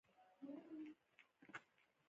مستو اریانه او حیرانه شوه.